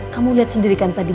kamu lihat sendiri kan tadi